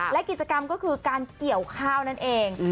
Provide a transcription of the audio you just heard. และกิจกรรมก็คือการเกี่ยวข้าวนั่นเอง